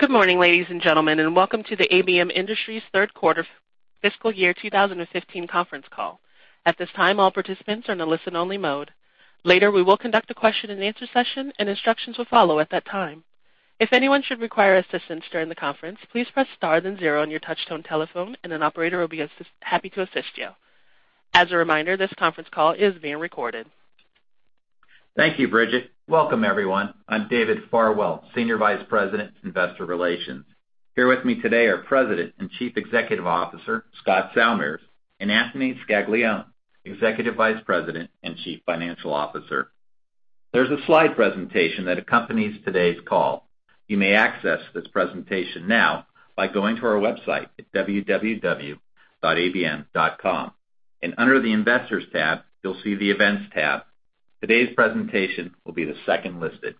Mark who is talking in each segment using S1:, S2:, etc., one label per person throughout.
S1: Good morning, ladies and gentlemen, and welcome to the ABM Industries third quarter fiscal year 2015 conference call. At this time, all participants are in a listen-only mode. Later, we will conduct a question and answer session, and instructions will follow at that time. If anyone should require assistance during the conference, please press star then zero on your touchtone telephone, and an operator will be happy to assist you. As a reminder, this conference call is being recorded.
S2: Thank you, Bridget. Welcome, everyone. I'm David Farwell, Senior Vice President of Investor Relations. Here with me today are President and Chief Executive Officer, Scott Salmirs, and Anthony Scaglione, Executive Vice President and Chief Financial Officer. There's a slide presentation that accompanies today's call. You may access this presentation now by going to our website at www.abm.com. Under the Investors tab, you'll see the Events tab. Today's presentation will be the second listed.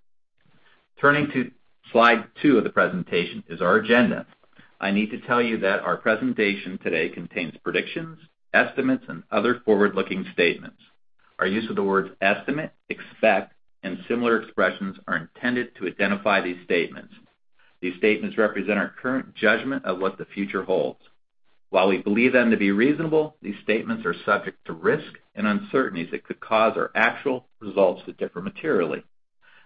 S2: Turning to Slide 2 of the presentation is our agenda. I need to tell you that our presentation today contains predictions, estimates, and other forward-looking statements. Our use of the words estimate, expect, and similar expressions are intended to identify these statements. These statements represent our current judgment of what the future holds. While we believe them to be reasonable, these statements are subject to risk and uncertainties that could cause our actual results to differ materially.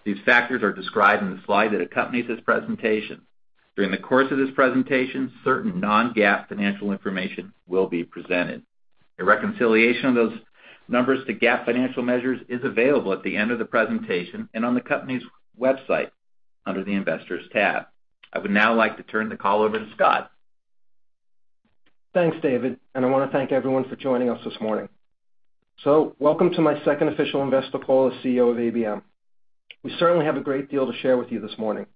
S2: These factors are described in the slide that accompanies this presentation. During the course of this presentation, certain non-GAAP financial information will be presented. A reconciliation of those numbers to GAAP financial measures is available at the end of the presentation and on the company's website under the Investors tab. I would now like to turn the call over to Scott.
S3: Thanks, David. I want to thank everyone for joining us this morning. Welcome to my second official investor call as CEO of ABM. We certainly have a great deal to share with you this morning.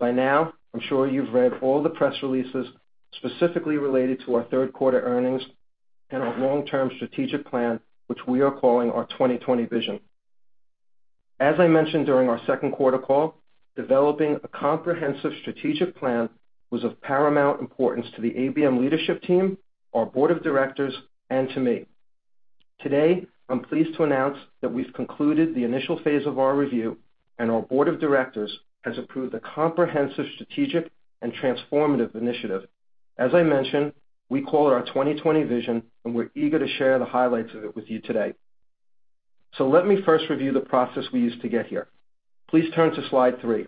S3: By now, I'm sure you've read all the press releases specifically related to our third quarter earnings and our long-term strategic plan, which we are calling our 2020 Vision. As I mentioned during our second quarter call, developing a comprehensive strategic plan was of paramount importance to the ABM leadership team, our board of directors, and to me. Today, I'm pleased to announce that we've concluded the initial phase of our review. Our board of directors has approved a comprehensive strategic and transformative initiative. As I mentioned, we call it our 2020 Vision, and we're eager to share the highlights of it with you today. Let me first review the process we used to get here. Please turn to Slide three.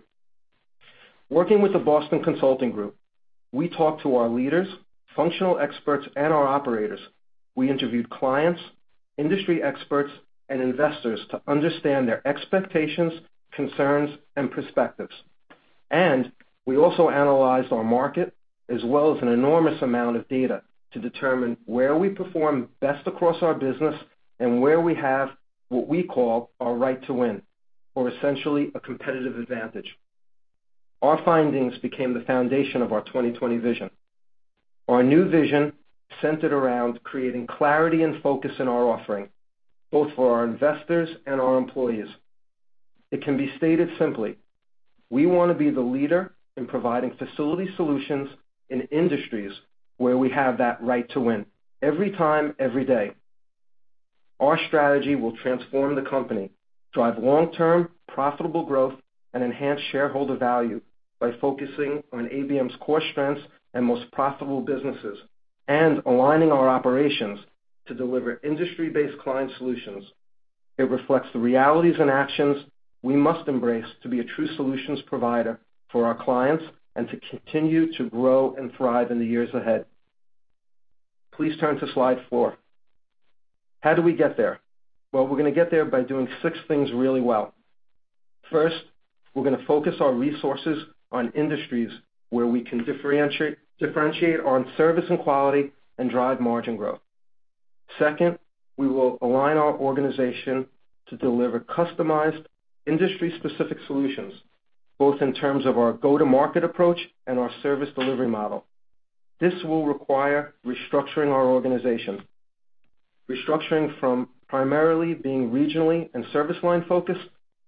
S3: Working with the Boston Consulting Group, we talked to our leaders, functional experts, and our operators. We interviewed clients, industry experts, and investors to understand their expectations, concerns, and perspectives. We also analyzed our market as well as an enormous amount of data to determine where we perform best across our business and where we have what we call our right to win, or essentially a competitive advantage. Our findings became the foundation of our 2020 Vision. Our new Vision centered around creating clarity and focus in our offering, both for our investors and our employees. It can be stated simply: We want to be the leader in providing facility solutions in industries where we have that right to win every time, every day. Our strategy will transform the company, drive long-term profitable growth, and enhance shareholder value by focusing on ABM's core strengths and most profitable businesses and aligning our operations to deliver industry-based client solutions. It reflects the realities and actions we must embrace to be a true solutions provider for our clients and to continue to grow and thrive in the years ahead. Please turn to Slide four. How do we get there? Well, we're going to get there by doing six things really well. First, we're going to focus our resources on industries where we can differentiate on service and quality and drive margin growth. Second, we will align our organization to deliver customized industry-specific solutions, both in terms of our go-to-market approach and our service delivery model. This will require restructuring our organization, restructuring from primarily being regionally and service line focused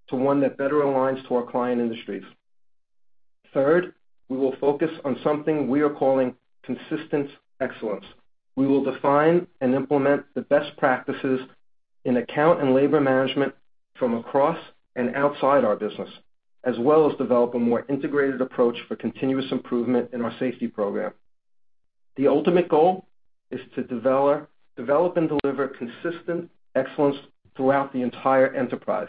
S3: to one that better aligns to our client industries. Third, we will focus on something we are calling consistent excellence. We will define and implement the best practices in account and labor management from across and outside our business, as well as develop a more integrated approach for continuous improvement in our safety program. The ultimate goal is to develop and deliver consistent excellence throughout the entire enterprise.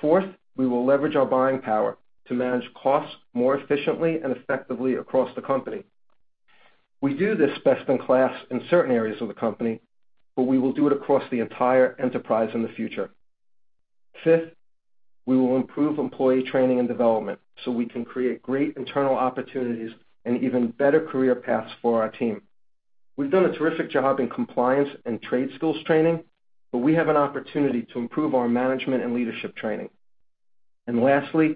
S3: Fourth, we will leverage our buying power to manage costs more efficiently and effectively across the company. We do this best in class in certain areas of the company, but we will do it across the entire enterprise in the future. Fifth, we will improve employee training and development so we can create great internal opportunities and even better career paths for our team. We've done a terrific job in compliance and trade skills training, but we have an opportunity to improve our management and leadership training. Lastly,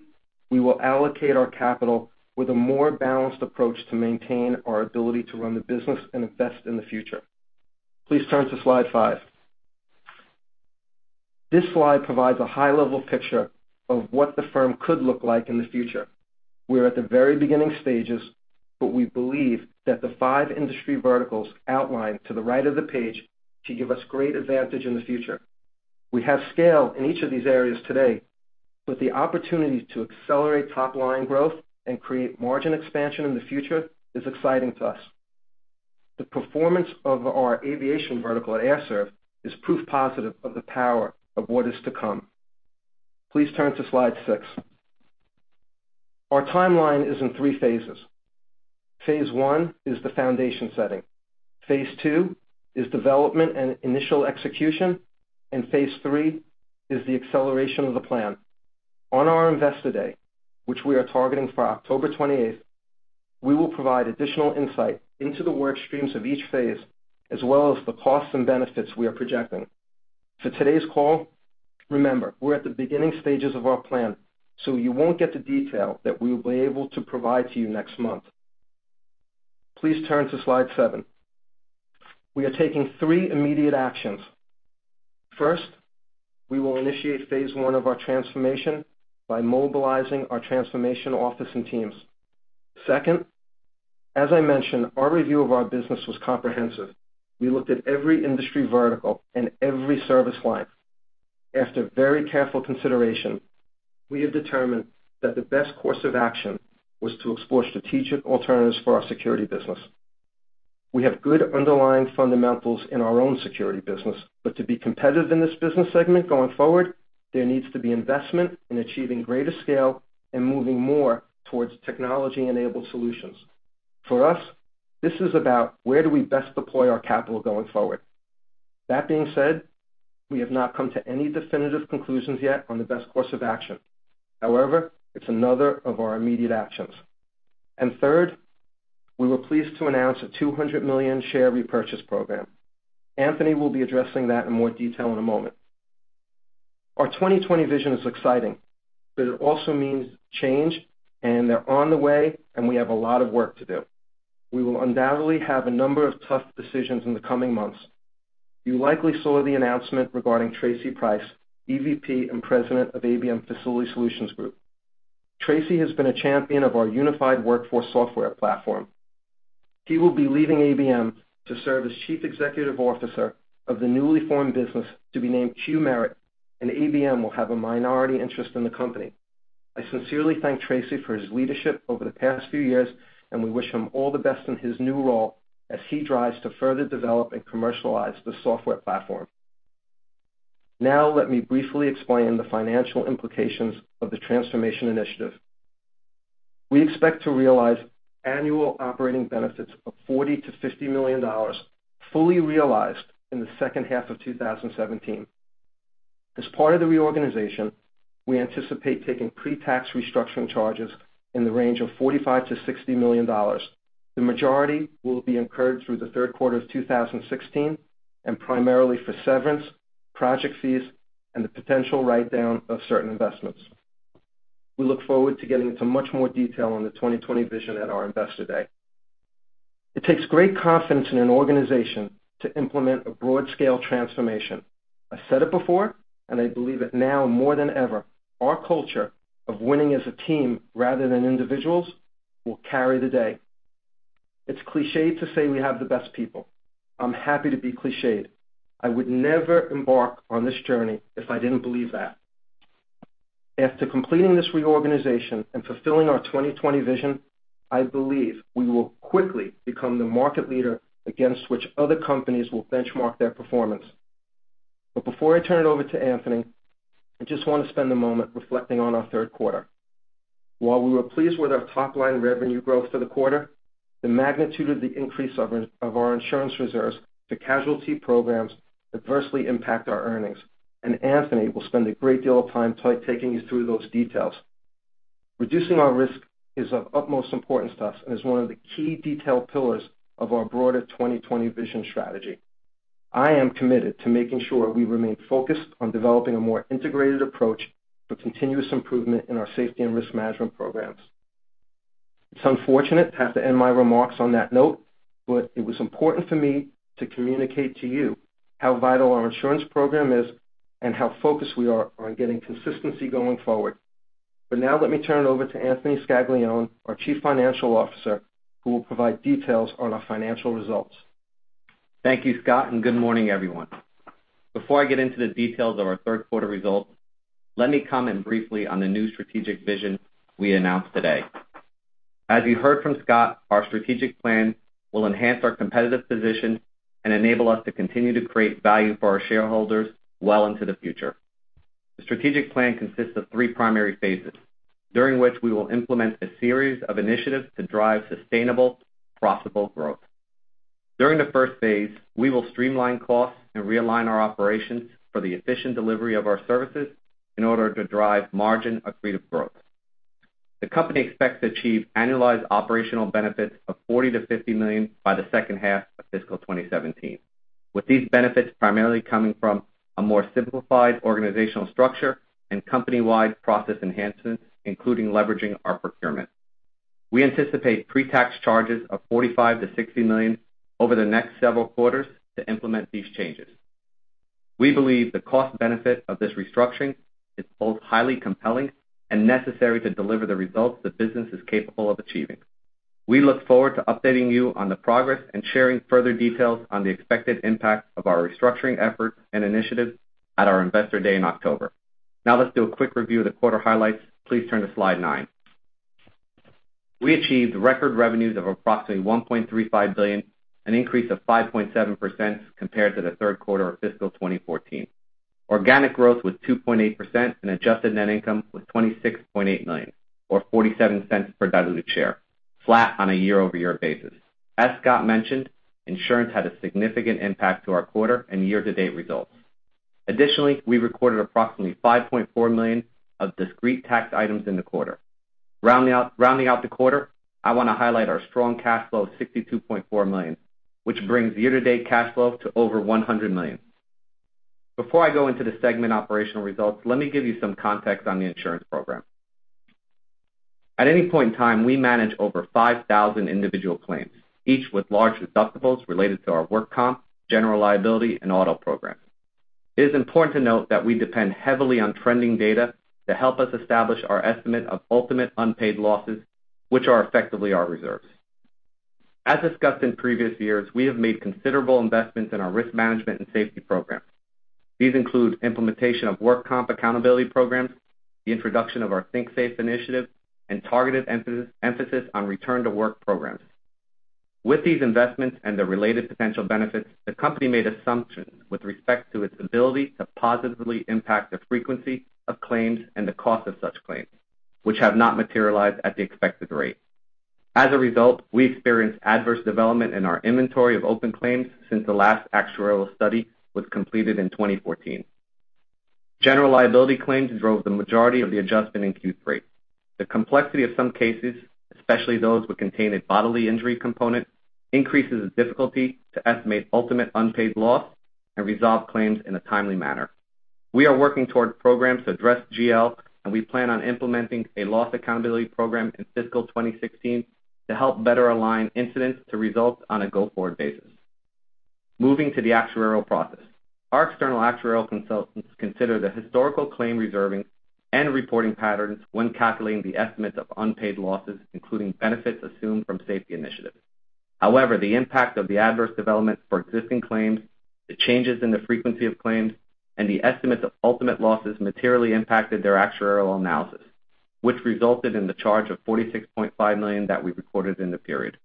S3: we will allocate our capital with a more balanced approach to maintain our ability to run the business and invest in the future. Please turn to Slide five. This slide provides a high-level picture of what the firm could look like in the future. We're at the very beginning stages, but we believe that the five industry verticals outlined to the right of the page to give us great advantage in the future. We have scale in each of these areas today, but the opportunity to accelerate top-line growth and create margin expansion in the future is exciting to us. The performance of our aviation vertical at Air Serv is proof positive of the power of what is to come. Please turn to Slide six. Our timeline is in three phases. Phase 1 is the foundation setting, phase 2 is development and initial execution, and phase 3 is the acceleration of the plan. On our Investor Day, which we are targeting for October 28th, we will provide additional insight into the work streams of each phase, as well as the costs and benefits we are projecting. For today's call, remember, we're at the beginning stages of our plan, so you won't get the detail that we will be able to provide to you next month. Please turn to slide seven. We are taking three immediate actions. First, we will initiate phase 1 of our transformation by mobilizing our transformation office and teams. Second, as I mentioned, our review of our business was comprehensive. We looked at every industry vertical and every service line. After very careful consideration, we have determined that the best course of action was to explore strategic alternatives for our security business. We have good underlying fundamentals in our own security business, but to be competitive in this business segment going forward, there needs to be investment in achieving greater scale and moving more towards technology-enabled solutions. For us, this is about where do we best deploy our capital going forward. That being said, we have not come to any definitive conclusions yet on the best course of action. However, it's another of our immediate actions. Third, we were pleased to announce a $200 million share repurchase program. Anthony will be addressing that in more detail in a moment. Our 2020 Vision is exciting, but it also means change, and they're on the way, and we have a lot of work to do. We will undoubtedly have a number of tough decisions in the coming months. You likely saw the announcement regarding Tracy Price, Executive Vice President and President of ABM Facility Solutions Group. Tracy has been a champion of our unified workforce software platform. He will be leaving ABM to serve as chief executive officer of the newly formed business to be named Qmerit, and ABM will have a minority interest in the company. I sincerely thank Tracy for his leadership over the past few years, and we wish him all the best in his new role as he drives to further develop and commercialize the software platform. Let me briefly explain the financial implications of the transformation initiative. We expect to realize annual operating benefits of $40 million-$50 million, fully realized in the second half of 2017. As part of the reorganization, we anticipate taking pre-tax restructuring charges in the range of $45 million-$60 million. The majority will be incurred through the third quarter of 2016 and primarily for severance, project fees, and the potential write-down of certain investments. We look forward to getting into much more detail on the 2020 Vision at our Investor Day. It takes great confidence in an organization to implement a broad scale transformation. I said it before, and I believe it now more than ever, our culture of winning as a team rather than individuals will carry the day. It's clichéd to say we have the best people. I'm happy to be clichéd. I would never embark on this journey if I didn't believe that. After completing this reorganization and fulfilling our 2020 Vision, I believe we will quickly become the market leader against which other companies will benchmark their performance. Before I turn it over to Anthony, I just want to spend a moment reflecting on our third quarter. While we were pleased with our top-line revenue growth for the quarter, the magnitude of the increase of our insurance reserves to casualty programs adversely impact our earnings, Anthony will spend a great deal of time taking you through those details. Reducing our risk is of utmost importance to us and is one of the key detailed pillars of our broader 2020 Vision strategy. I am committed to making sure we remain focused on developing a more integrated approach for continuous improvement in our safety and risk management programs. It's unfortunate to have to end my remarks on that note, but it was important for me to communicate to you how vital our insurance program is and how focused we are on getting consistency going forward. Now let me turn it over to Anthony Scaglione, our Chief Financial Officer, who will provide details on our financial results.
S4: Thank you, Scott, and good morning, everyone. Before I get into the details of our third quarter results, let me comment briefly on the new strategic vision we announced today. As you heard from Scott, our strategic plan will enhance our competitive position and enable us to continue to create value for our shareholders well into the future. The strategic plan consists of three primary phases, during which we will implement a series of initiatives to drive sustainable, profitable growth. During the first phase, we will streamline costs and realign our operations for the efficient delivery of our services in order to drive margin accretive growth. The company expects to achieve annualized operational benefits of $40 million-$50 million by the second half of fiscal 2017, with these benefits primarily coming from a more simplified organizational structure and company-wide process enhancements, including leveraging our procurement. We anticipate pre-tax charges of $45 million-$60 million over the next several quarters to implement these changes. We believe the cost benefit of this restructuring is both highly compelling and necessary to deliver the results the business is capable of achieving. We look forward to updating you on the progress and sharing further details on the expected impact of our restructuring efforts and initiatives at our Investor Day in October. Let's do a quick review of the quarter highlights. Please turn to slide nine. We achieved record revenues of approximately $1.35 billion, an increase of 5.7% compared to the third quarter of fiscal 2014. Organic growth was 2.8% and adjusted net income was $26.8 million, or $0.47 per diluted share, flat on a year-over-year basis. As Scott mentioned, insurance had a significant impact to our quarter and year-to-date results. Additionally, we recorded approximately $5.4 million of discrete tax items in the quarter. Rounding out the quarter, I want to highlight our strong cash flow of $62.4 million, which brings year-to-date cash flow to over $100 million. Before I go into the segment operational results, let me give you some context on the insurance program. At any point in time, we manage over 5,000 individual claims, each with large deductibles related to our work comp, general liability, and auto programs. It is important to note that we depend heavily on trending data to help us establish our estimate of ultimate unpaid losses, which are effectively our reserves. As discussed in previous years, we have made considerable investments in our risk management and safety programs. These include implementation of work comp accountability programs, the introduction of our Think Safe initiative, and targeted emphasis on return-to-work programs. With these investments and the related potential benefits, the company made assumptions with respect to its ability to positively impact the frequency of claims and the cost of such claims, which have not materialized at the expected rate. As a result, we experienced adverse development in our inventory of open claims since the last actuarial study was completed in 2014. General liability claims drove the majority of the adjustment in Q3. The complexity of some cases, especially those which contain a bodily injury component, increases the difficulty to estimate ultimate unpaid loss and resolve claims in a timely manner. We are working toward programs to address GL, and we plan on implementing a loss accountability program in fiscal 2016 to help better align incidents to results on a go-forward basis. Moving to the actuarial process. Our external actuarial consultants consider the historical claim reserving and reporting patterns when calculating the estimates of unpaid losses, including benefits assumed from safety initiatives. However, the impact of the adverse developments for existing claims, the changes in the frequency of claims, and the estimates of ultimate losses materially impacted their actuarial analysis, which resulted in the charge of $46.5 million that we recorded in the period.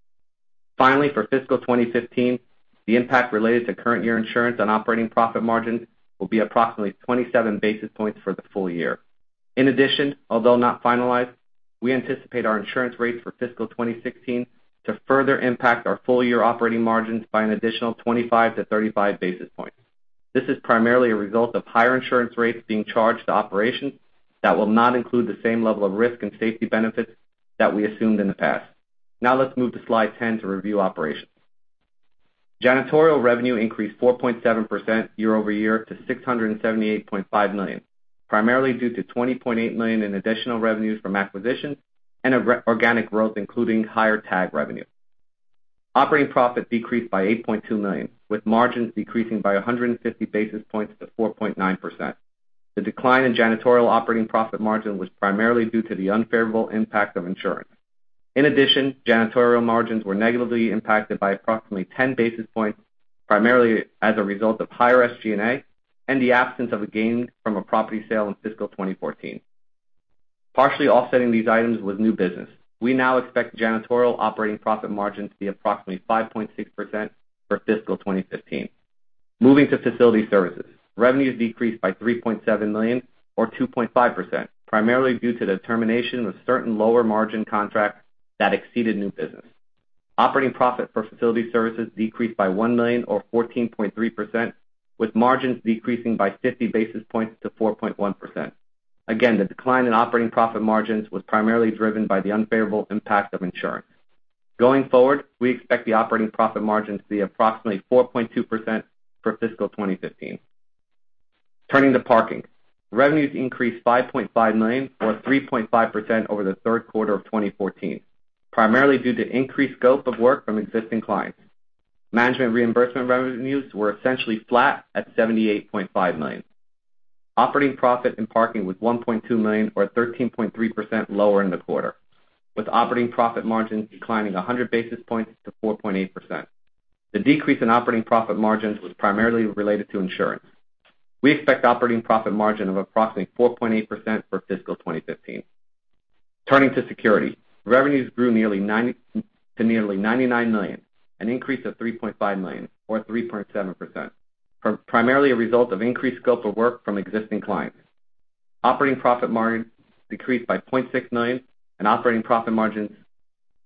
S4: Finally, for fiscal 2015, the impact related to current year insurance on operating profit margins will be approximately 27 basis points for the full year. In addition, although not finalized, we anticipate our insurance rates for fiscal 2016 to further impact our full-year operating margins by an additional 25-35 basis points. This is primarily a result of higher insurance rates being charged to operations that will not include the same level of risk and safety benefits that we assumed in the past. Now let's move to slide 10 to review operations. Janitorial revenue increased 4.7% year-over-year to $678.5 million, primarily due to $20.8 million in additional revenues from acquisitions and organic growth, including higher TAG revenue. Operating profit decreased by $8.2 million, with margins decreasing by 150 basis points to 4.9%. The decline in janitorial operating profit margin was primarily due to the unfavorable impact of insurance. In addition, janitorial margins were negatively impacted by approximately 10 basis points, primarily as a result of higher SG&A and the absence of a gain from a property sale in fiscal 2014. Partially offsetting these items was new business. We now expect janitorial operating profit margin to be approximately 5.6% for fiscal 2015. Moving to facility services. Revenues decreased by $3.7 million, or 2.5%, primarily due to the termination of certain lower-margin contracts that exceeded new business. Operating profit for facility services decreased by $1 million, or 14.3%, with margins decreasing by 50 basis points to 4.1%. Again, the decline in operating profit margins was primarily driven by the unfavorable impact of insurance. Going forward, we expect the operating profit margin to be approximately 4.2% for fiscal 2015. Turning to parking. Revenues increased $5.5 million, or 3.5% over the third quarter of 2014, primarily due to increased scope of work from existing clients. Management reimbursement revenues were essentially flat at $78.5 million. Operating profit in parking was $1.2 million, or 13.3% lower in the quarter, with operating profit margins declining 100 basis points to 4.8%. The decrease in operating profit margins was primarily related to insurance. We expect operating profit margin of approximately 4.8% for fiscal 2015. Turning to security. Revenues grew to nearly $99 million, an increase of $3.5 million, or 3.7%, primarily a result of increased scope of work from existing clients. Operating profit margin decreased by $0.6 million. Operating profit margins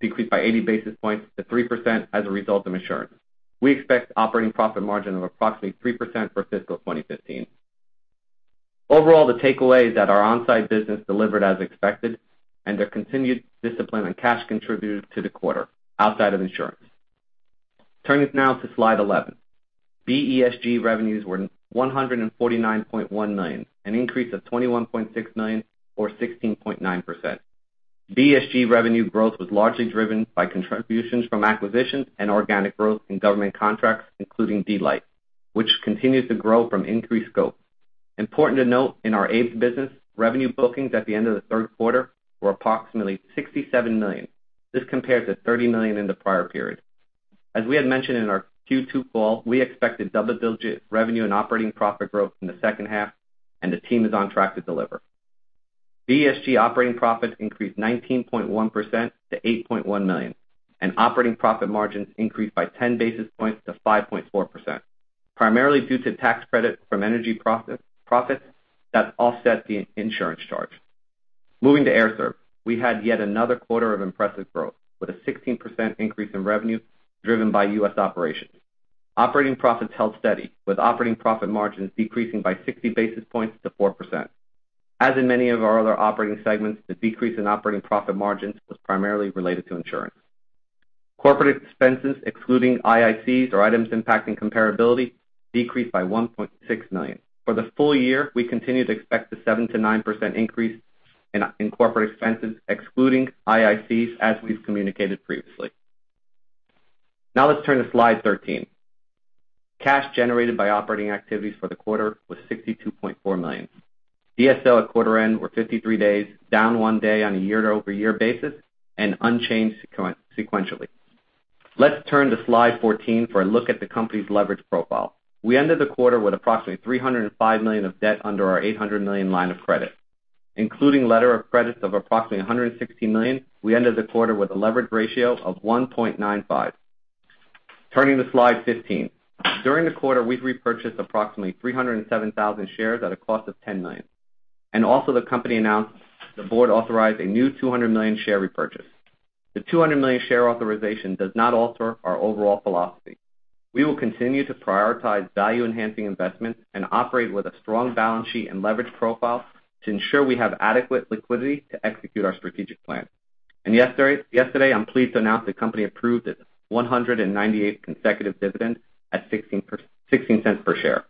S4: decreased by 80 basis points to 3% as a result of insurance. We expect operating profit margin of approximately 3% for fiscal 2015. Overall, the takeaway is that our on-site business delivered as expected. Their continued discipline on cash contributed to the quarter outside of insurance. Turning now to slide 11. BESG revenues were $149.1 million, an increase of $21.6 million, or 16.9%. BESG revenue growth was largely driven by contributions from acquisitions and organic growth in government contracts, including DLight, which continues to grow from increased scope. Important to note, in our ABES business, revenue bookings at the end of the third quarter were approximately $67 million. This compares to $30 million in the prior period. As we had mentioned in our Q2 call, we expected double-digit revenue and operating profit growth in the second half. The team is on track to deliver. BESG operating profits increased 19.1% to $8.1 million. Operating profit margins increased by 10 basis points to 5.4%, primarily due to tax credit from energy profits that offset the insurance charge. Moving to Air Serv. We had yet another quarter of impressive growth, with a 16% increase in revenue driven by U.S. operations. Operating profits held steady, with operating profit margins decreasing by 60 basis points to 4%. As in many of our other operating segments, the decrease in operating profit margins was primarily related to insurance. Corporate expenses, excluding IICs, or items impacting comparability, decreased by $1.6 million. For the full year, we continue to expect a 7%-9% increase in corporate expenses, excluding IICs, as we've communicated previously. Let's turn to slide 13. Cash generated by operating activities for the quarter was $62.4 million. DSO at quarter end were 53 days, down one day on a year-over-year basis and unchanged sequentially. Let's turn to slide 14 for a look at the company's leverage profile. We ended the quarter with approximately $305 million of debt under our $800 million line of credit. Including letter of credits of approximately $160 million, we ended the quarter with a leverage ratio of 1.95. Turning to slide 15. During the quarter, we've repurchased approximately 307,000 shares at a cost of $10 million. Also, the company announced the board authorized a new $200 million share repurchase. The $200 million share authorization does not alter our overall philosophy. We will continue to prioritize value-enhancing investments and operate with a strong balance sheet and leverage profile to ensure we have adequate liquidity to execute our strategic plan. Yesterday, I'm pleased to announce the company approved its 198th consecutive dividend at $0.16 per share.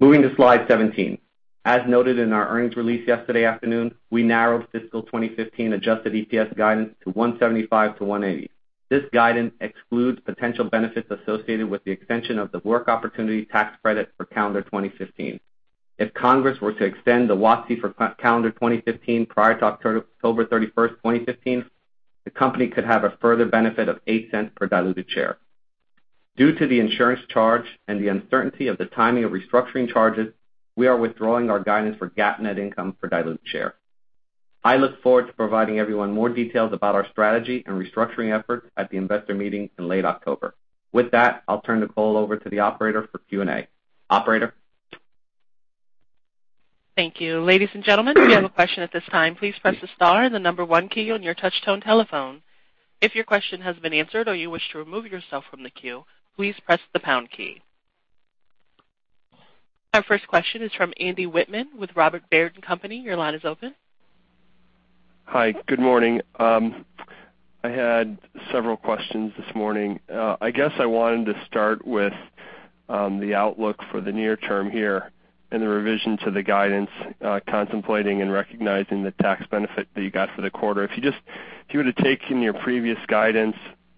S4: Moving to slide 17. As noted in our earnings release yesterday afternoon, we narrowed fiscal 2015 adjusted EPS guidance to $1.75-$1.80. This guidance excludes potential benefits associated with the extension of the Work Opportunity Tax Credit for calendar 2015. If Congress were to extend the WOTC for calendar 2015 prior to October 31, 2015, the company could have a further benefit of $0.08 per diluted share. Due to the insurance charge and the uncertainty of the timing of restructuring charges, we are withdrawing our guidance for GAAP net income per diluted share. I look forward to providing everyone more details about our strategy and restructuring efforts at the investor meeting in late October. With that, I'll turn the call over to the operator for Q&A. Operator?
S1: Thank you. Ladies and gentlemen, if you have a question at this time, please press the star and the number 1 key on your touch tone telephone. If your question has been answered or you wish to remove yourself from the queue, please press the pound key. Our first question is from Andy Wittmann with Robert W. Baird & Co. Your line is open.
S5: Hi. Good morning. I had several questions this morning. I guess I wanted to start with the outlook for the near term here and the revision to the guidance, contemplating and recognizing the tax benefit that you got for the quarter. If you were to take in your previous guidance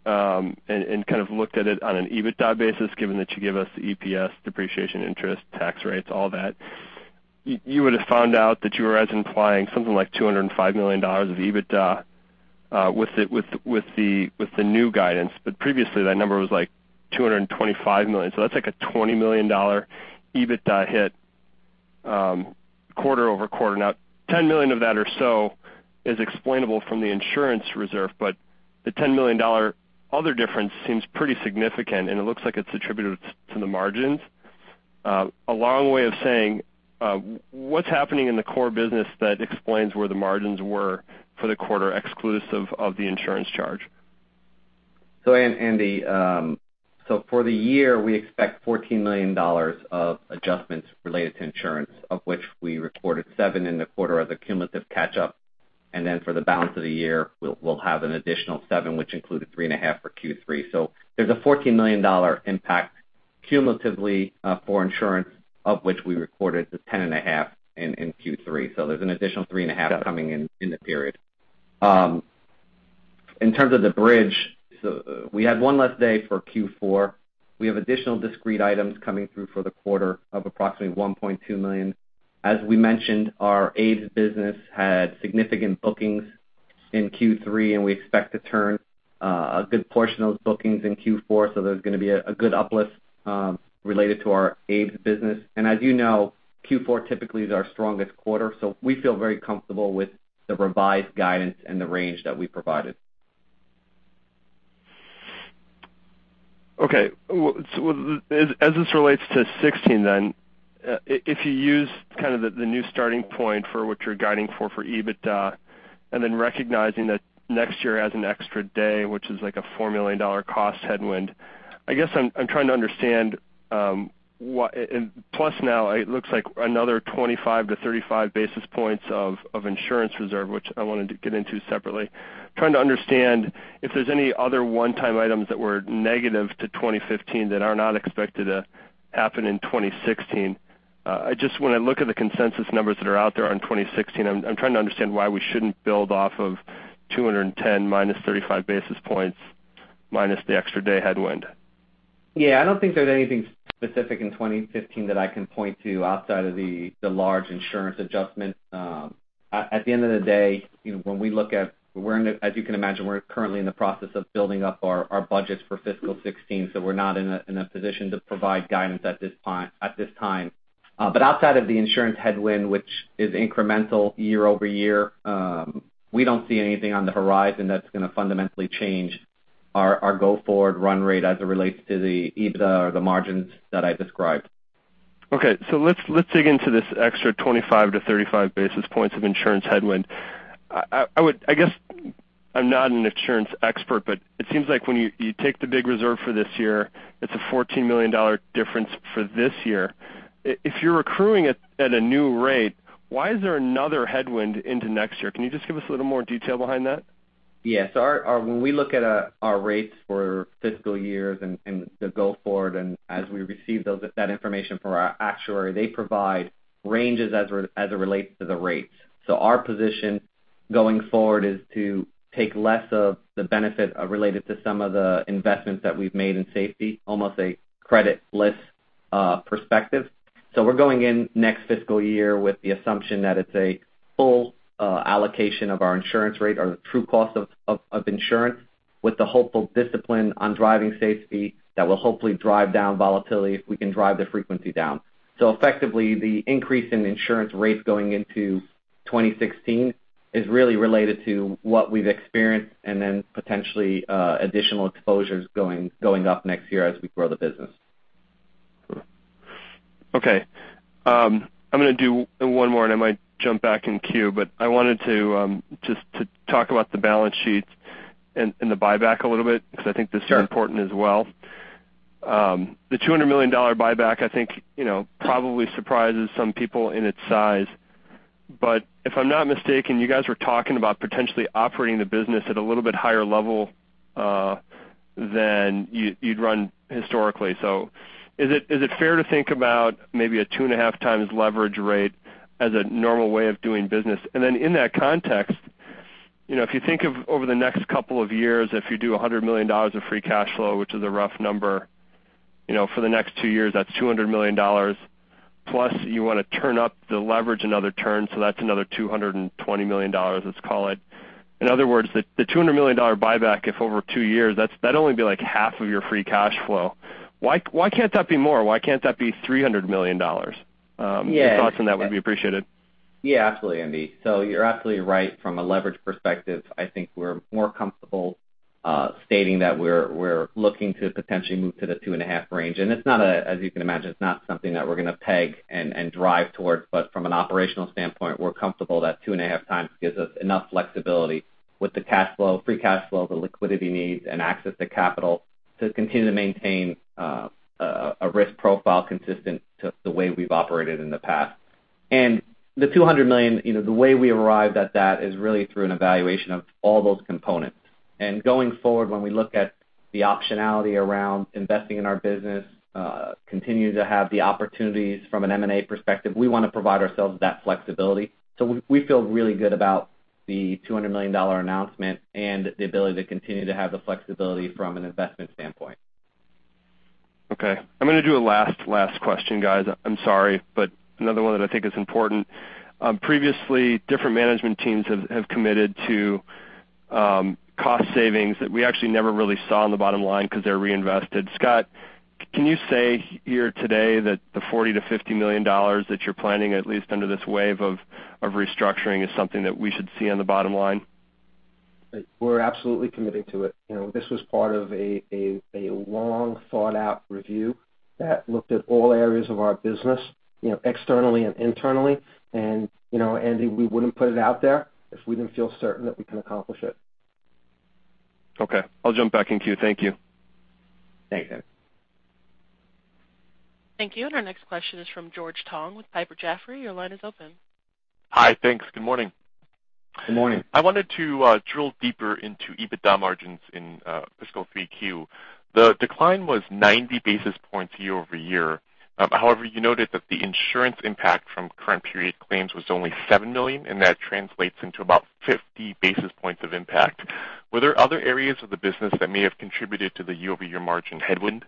S5: and looked at it on an EBITDA basis, given that you gave us the EPS, depreciation, interest, tax rates, all that, you would have found out that you were implying something like $205 million of EBITDA with the new guidance. Previously, that number was like $225 million. That's like a $20 million EBITDA hit quarter-over-quarter. Now, $10 million of that or so is explainable from the insurance reserve, but the $10 million other difference seems pretty significant, and it looks like it's attributed to the margins. A long way of saying, what's happening in the core business that explains where the margins were for the quarter exclusive of the insurance charge?
S4: Andy Wittmann, for the year, we expect $14 million of adjustments related to insurance, of which we recorded seven in the quarter as a cumulative catch-up. Then for the balance of the year, we'll have an additional seven, which included three and a half for Q3. There's a $14 million impact cumulatively for insurance, of which we recorded the 10 and a half in Q3. There's an additional three and a half coming in the period. In terms of the bridge, we had one less day for Q4. We have additional discrete items coming through for the quarter of approximately $1.2 million. As we mentioned, our ABES business had significant bookings in Q3, and we expect to turn a good portion of those bookings in Q4, there's going to be a good uplift related to our ABES business. As you know, Q4 typically is our strongest quarter, we feel very comfortable with the revised guidance and the range that we provided.
S5: Okay. As this relates to 2016, if you use the new starting point for what you're guiding for EBITDA, recognizing that next year as an extra day, which is like a $4 million cost headwind. I guess I'm trying to understand, plus now it looks like another 25-35 basis points of insurance reserve, which I wanted to get into separately. Trying to understand if there's any other one-time items that were negative to 2015 that are not expected to happen in 2016. When I look at the consensus numbers that are out there on 2016, I'm trying to understand why we shouldn't build off of $210 minus 35 basis points minus the extra day headwind.
S4: I don't think there's anything specific in 2015 that I can point to outside of the large insurance adjustment. At the end of the day, as you can imagine, we're currently in the process of building up our budgets for fiscal 2016, we're not in a position to provide guidance at this time. Outside of the insurance headwind, which is incremental year-over-year, we don't see anything on the horizon that's going to fundamentally change our go-forward run rate as it relates to the EBITDA or the margins that I described.
S5: Let's dig into this extra 25-35 basis points of insurance headwind. I guess I'm not an insurance expert, it seems like when you take the big reserve for this year, it's a $14 million difference for this year. If you're accruing it at a new rate, why is there another headwind into next year? Can you just give us a little more detail behind that?
S4: When we look at our rates for fiscal years and the go forward, as we receive that information from our actuary, they provide ranges as it relates to the rates. Our position going forward is to take less of the benefit related to some of the investments that we've made in safety, almost a creditless perspective. We're going in next fiscal year with the assumption that it's a full allocation of our insurance rate or the true cost of insurance, with the hopeful discipline on driving safety that will hopefully drive down volatility if we can drive the frequency down. Effectively, the increase in insurance rates going into 2016 is really related to what we've experienced, then potentially additional exposures going up next year as we grow the business.
S5: I'm going to do one more, I might jump back in queue, I wanted to just talk about the balance sheet and the buyback a little bit, because I think this is important as well.
S4: Sure.
S5: The $200 million buyback, I think probably surprises some people in its size. If I'm not mistaken, you guys were talking about potentially operating the business at a little bit higher level than you'd run historically. Is it fair to think about maybe a 2.5 times leverage rate as a normal way of doing business? In that context, if you think of over the next couple of years, if you do $100 million of free cash flow, which is a rough number, for the next two years, that's $200 million, plus you want to turn up the leverage another turn, that's another $220 million, let's call it. In other words, the $200 million buyback, if over two years, that'd only be like half of your free cash flow. Why can't that be more? Why can't that be $300 million?
S4: Yeah.
S5: Your thoughts on that would be appreciated.
S4: Absolutely, Andy. You're absolutely right from a leverage perspective. I think we're more comfortable stating that we're looking to potentially move to the 2.5 range. As you can imagine, it's not something that we're going to peg and drive towards, but from an operational standpoint, we're comfortable that 2.5 times gives us enough flexibility with the cash flow, free cash flow, the liquidity needs, and access to capital to continue to maintain a risk profile consistent to the way we've operated in the past. The $200 million, the way we arrived at that is really through an evaluation of all those components. Going forward, when we look at the optionality around investing in our business, continue to have the opportunities from an M&A perspective, we want to provide ourselves that flexibility. We feel really good about the $200 million announcement and the ability to continue to have the flexibility from an investment standpoint.
S5: Okay. I'm going to do a last question, guys. I'm sorry, another one that I think is important. Previously, different management teams have committed to cost savings that we actually never really saw on the bottom line because they're reinvested. Scott, can you say here today that the $40 million-$50 million that you're planning, at least under this wave of restructuring, is something that we should see on the bottom line?
S3: We're absolutely committing to it. This was part of a long-thought-out review that looked at all areas of our business externally and internally. Andy, we wouldn't put it out there if we didn't feel certain that we can accomplish it.
S5: Okay. I'll jump back in queue. Thank you.
S3: Thanks, Andy.
S1: Thank you. Our next question is from George Tong with Piper Jaffray. Your line is open.
S6: Hi. Thanks. Good morning.
S3: Good morning.
S6: I wanted to drill deeper into EBITDA margins in fiscal Q3. The decline was 90 basis points year-over-year. However, you noted that the insurance impact from current period claims was only $7 million, and that translates into about 50 basis points of impact. Were there other areas of the business that may have contributed to the year-over-year margin headwind?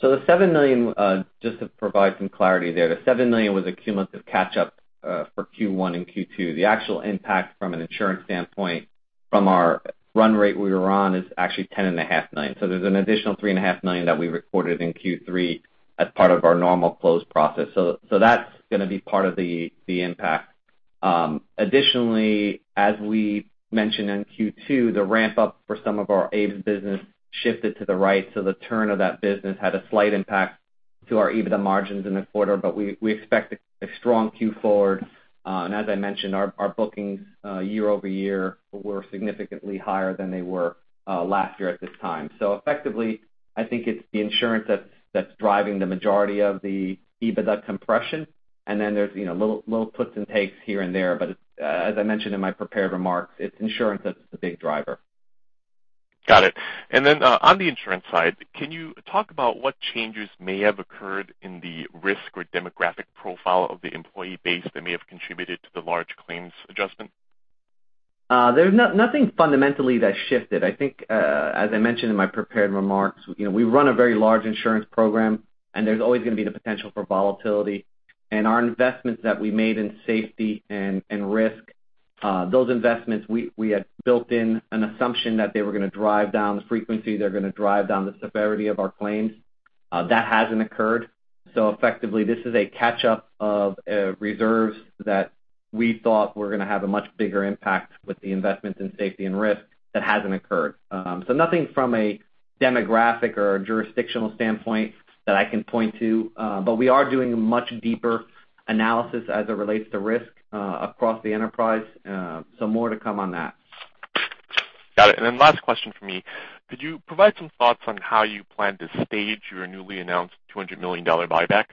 S4: The $7 million, just to provide some clarity there, the $7 million was a cumulative catch-up for Q1 and Q2. The actual impact from an insurance standpoint from our run rate we were on is actually $10.5 million. There's an additional $3.5 million that we recorded in Q3 as part of our normal close process. That's going to be part of the impact. Additionally, as we mentioned in Q2, the ramp up for some of our ABES business shifted to the right, so the turn of that business had a slight impact to our EBITDA margins in the quarter, but we expect a strong Q forward. As I mentioned, our bookings year-over-year were significantly higher than they were last year at this time. Effectively, I think it's the insurance that's driving the majority of the EBITDA compression, there's little puts and takes here and there. As I mentioned in my prepared remarks, it's insurance that's the big driver.
S6: Got it. On the insurance side, can you talk about what changes may have occurred in the risk or demographic profile of the employee base that may have contributed to the large claims adjustment?
S4: There's nothing fundamentally that shifted. I think, as I mentioned in my prepared remarks, we run a very large insurance program, there's always going to be the potential for volatility. Our investments that we made in safety and risk, those investments, we had built in an assumption that they were going to drive down the frequency, they were going to drive down the severity of our claims. That hasn't occurred. Effectively, this is a catch-up of reserves that we thought were going to have a much bigger impact with the investments in safety and risk that hasn't occurred. Nothing from a demographic or a jurisdictional standpoint that I can point to. We are doing much deeper analysis as it relates to risk across the enterprise. More to come on that.
S6: Got it. Last question from me. Could you provide some thoughts on how you plan to stage your newly announced $200 million buyback?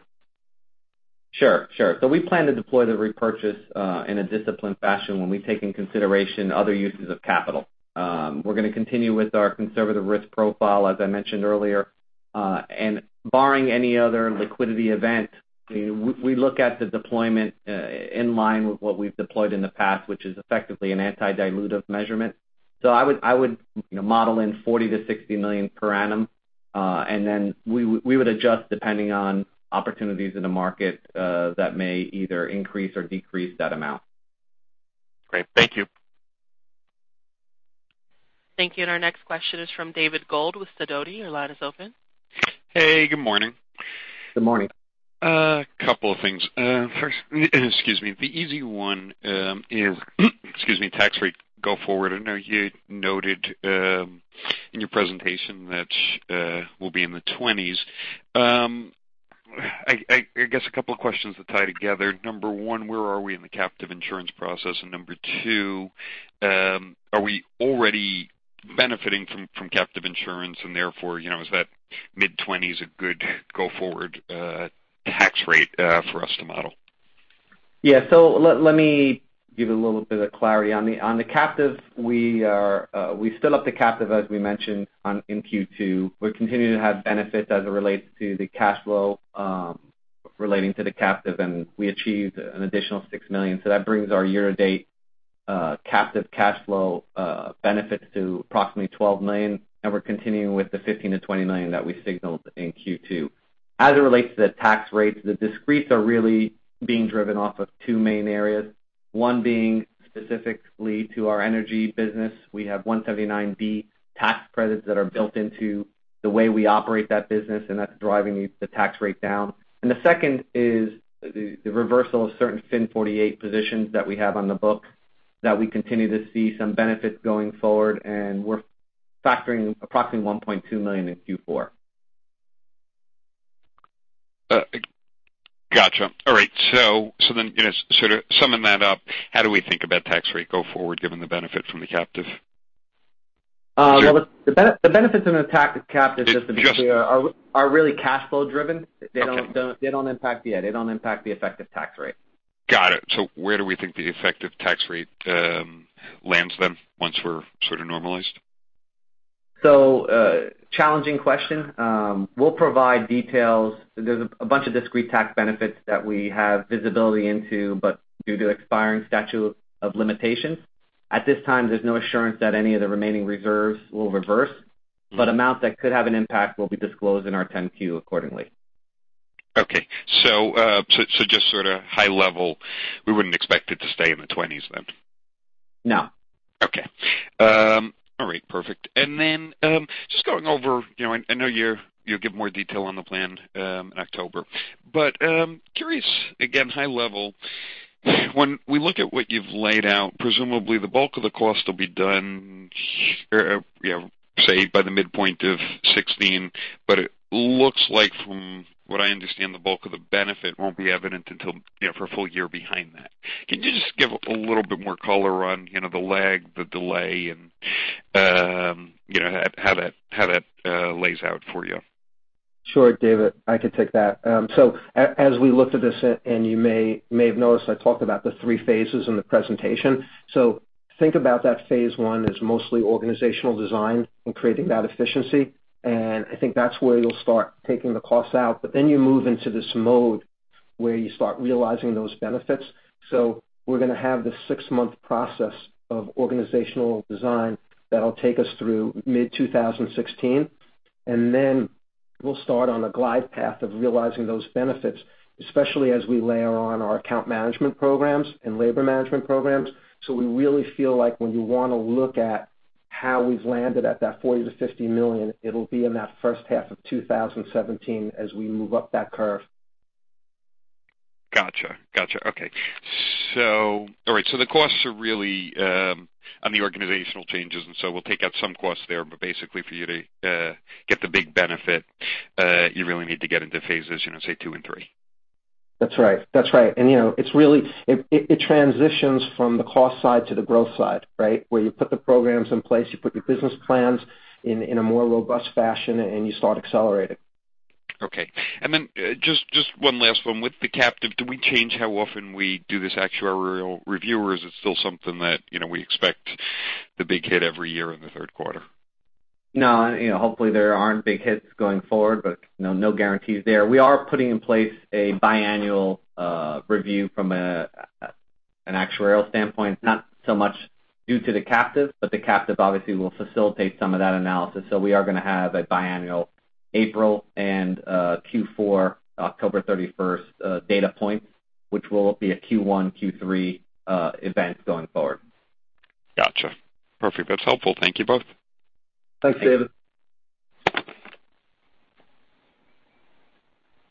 S4: Sure. We plan to deploy the repurchase in a disciplined fashion when we take into consideration other uses of capital. We're going to continue with our conservative risk profile, as I mentioned earlier. Barring any other liquidity event, we look at the deployment in line with what we've deployed in the past, which is effectively an anti-dilutive measurement. I would model in $40 million-$60 million per annum. Then we would adjust depending on opportunities in the market, that may either increase or decrease that amount.
S6: Great. Thank you.
S1: Thank you. Our next question is from David Gold with Sidoti. Your line is open.
S7: Hey, good morning.
S4: Good morning.
S7: A couple of things. First, excuse me. The easy one is, excuse me, tax rate go forward. I know you noted in your presentation that we'll be in the 20s. I guess a couple of questions that tie together. Number one, where are we in the captive insurance process? Number two, are we already benefiting from captive insurance and therefore, is that mid-20s a good go forward tax rate for us to model?
S4: Yeah. Let me give a little bit of clarity. On the captive, we still up the captive, as we mentioned in Q2. We're continuing to have benefits as it relates to the cash flow, relating to the captive, and we achieved an additional $6 million. That brings our year-to-date captive cash flow benefits to approximately $12 million, and we're continuing with the $15 million to $20 million that we signaled in Q2. As it relates to the tax rates, the discreets are really being driven off of two main areas, one being specifically to our energy business. We have 179D tax credits that are built into the way we operate that business, and that's driving the tax rate down. The second is the reversal of certain FIN 48 positions that we have on the book that we continue to see some benefits going forward. We're factoring approximately $1.2 million in Q4.
S7: Got you. All right. To summon that up, how do we think about tax rate go forward given the benefit from the captive?
S4: The benefits in the captive system basically are really cash flow driven.
S7: Okay.
S4: They don't impact the effective tax rate.
S7: Got it. Where do we think the effective tax rate lands then once we're sort of normalized?
S4: Challenging question. We'll provide details. There's a bunch of discrete tax benefits that we have visibility into, but due to expiring statute of limitations, at this time, there's no assurance that any of the remaining reserves will reverse. Amounts that could have an impact will be disclosed in our 10-Q accordingly.
S7: Okay. Just high level, we wouldn't expect it to stay in the 20s then?
S4: No.
S7: Okay. All right, perfect. Just going over, I know you'll give more detail on the plan in October, but curious again, high level, when we look at what you've laid out, presumably the bulk of the cost will be done, say, by the midpoint of 2016, but it looks like from what I understand, the bulk of the benefit won't be evident until for a full year behind that. Can you just give a little bit more color on the lag, the delay, and how that lays out for you?
S4: David, I could take that. As we looked at this, and you may have noticed, I talked about the 3 phases in the presentation. Think about that phase 1 as mostly organizational design and creating that efficiency, and I think that's where you'll start taking the costs out. You move into this mode where you start realizing those benefits. We're going to have this 6-month process of organizational design that'll take us through mid-2016, and then we'll start on a glide path of realizing those benefits, especially as we layer on our account management programs and labor management programs. We really feel like when you want to look at how we've landed at that $40 million-$50 million, it'll be in that first half of 2017 as we move up that curve.
S7: Got you. Okay. The costs are really on the organizational changes, we'll take out some costs there. For you to get the big benefit, you really need to get into phases, say, 2 and 3.
S4: That's right. It transitions from the cost side to the growth side, right? Where you put the programs in place, you put your business plans in a more robust fashion, you start accelerating.
S7: Okay. Just one last one. With the captive, do we change how often we do this actuarial review, or is it still something that we expect the big hit every year in the third quarter?
S4: No, hopefully there aren't big hits going forward, but no guarantees there. We are putting in place a biannual review from an actuarial standpoint, not so much due to the captive, but the captive obviously will facilitate some of that analysis. We are going to have a biannual April and Q4, October 31st data point, which will be a Q1, Q3 event going forward.
S7: Got you. Perfect. That's helpful. Thank you both.
S3: Thanks, David.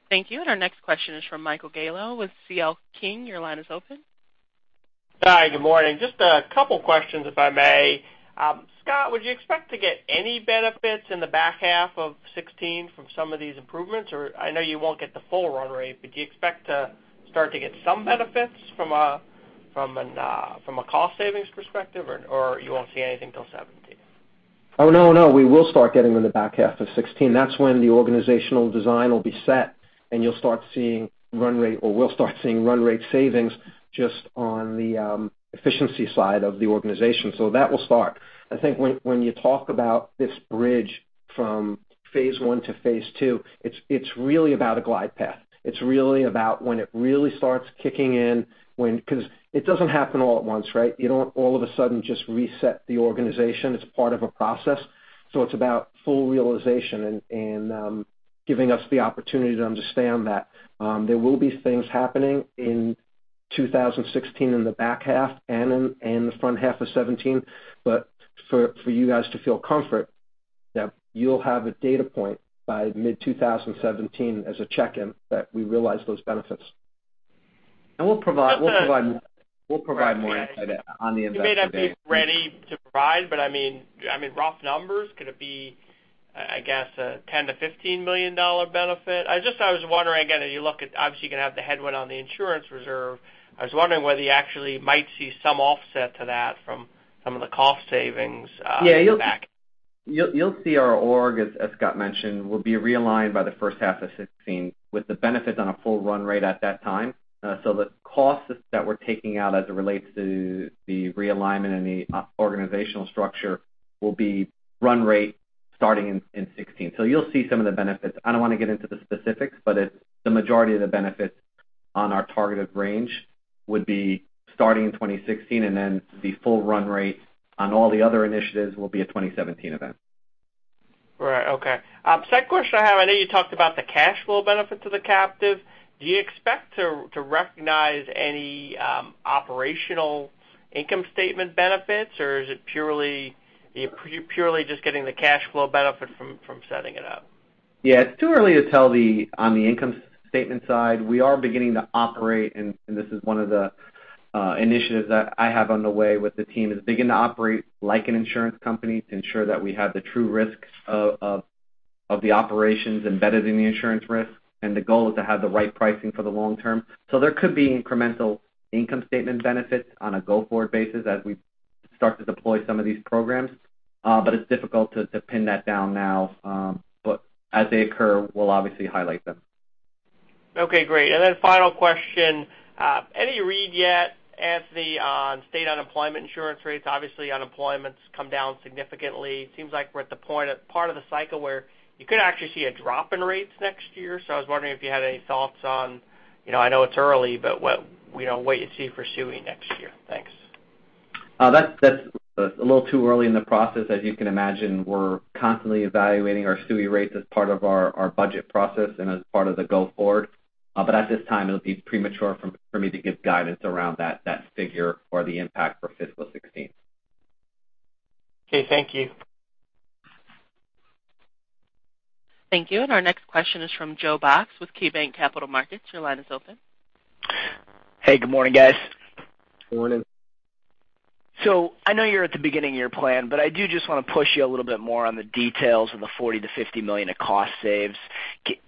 S1: Thank you. Our next question is from Michael Gallo with C.L. King. Your line is open.
S8: Hi, good morning. Just a couple questions, if I may. Scott, would you expect to get any benefits in the back half of 2016 from some of these improvements, or I know you won't get the full run rate, but do you expect to start to get some benefits from a cost savings perspective? Or you won't see anything till 2017?
S3: Oh, no, we will start getting in the back half of 2016. That's when the organizational design will be set, and you'll start seeing run rate, or we'll start seeing run rate savings just on the efficiency side of the organization. That will start. I think when you talk about this bridge from phase one to phase two, it's really about a glide path. It's really about when it really starts kicking in, because it doesn't happen all at once, right? You don't all of a sudden just reset the organization. It's part of a process. It's about full realization and giving us the opportunity to understand that. There will be things happening in 2016 in the back half and the front half of 2017. For you guys to feel comfort, that you'll have a data point by mid-2017 as a check-in that we realize those benefits.
S4: We'll provide more insight on the investor day.
S8: You may not be ready to provide, I mean, rough numbers, could it be, I guess a $10 million-$15 million benefit? I was wondering, again, you look at, obviously, you're going to have the headwind on the insurance reserve. I was wondering whether you actually might see some offset to that from some of the cost savings?
S4: Yeah
S8: back.
S4: You'll see our org, as Scott mentioned, will be realigned by the first half of 2016 with the benefits on a full run rate at that time. The costs that we're taking out as it relates to the realignment and the organizational structure will be run rate starting in 2016. You'll see some of the benefits. I don't want to get into the specifics, but the majority of the benefits on our targeted range would be starting in 2016, and then the full run rate on all the other initiatives will be a 2017 event.
S8: Right. Okay. Second question I have, I know you talked about the cash flow benefit to the captive. Do you expect to recognize any operational income statement benefits, or is it purely just getting the cash flow benefit from setting it up?
S4: Yeah. It's too early to tell on the income statement side. We are beginning to operate, and this is one of the initiatives that I have underway with the team is, begin to operate like an insurance company to ensure that we have the true risks of the operations embedded in the insurance risk. The goal is to have the right pricing for the long term. There could be incremental income statement benefits on a go-forward basis as we start to deploy some of these programs. It's difficult to pin that down now. As they occur, we'll obviously highlight them.
S8: Okay, great. Final question. Any read yet, Anthony, on state unemployment insurance rates? Obviously, unemployment's come down significantly. Seems like we're at the point at part of the cycle where you could actually see a drop in rates next year. I was wondering if you had any thoughts on, I know it's early, but what you see for SUI next year. Thanks.
S4: That's a little too early in the process. As you can imagine, we're constantly evaluating our SUI rates as part of our budget process and as part of the go forward. At this time, it'll be premature for me to give guidance around that figure or the impact for fiscal 2016.
S8: Okay. Thank you.
S1: Thank you. Our next question is from Joe Box with KeyBanc Capital Markets. Your line is open.
S9: Hey, good morning, guys.
S3: Morning.
S9: I know you're at the beginning of your plan, but I do just want to push you a little bit more on the details of the $40 million to $50 million of cost saves.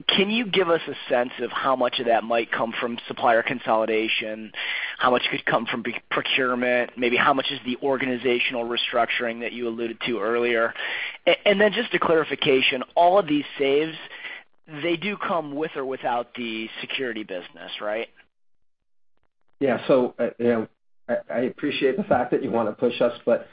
S9: Can you give us a sense of how much of that might come from supplier consolidation, how much could come from procurement, maybe how much is the organizational restructuring that you alluded to earlier? Just a clarification, all of these saves, they do come with or without the security business, right?
S3: I appreciate the fact that you want to push us, but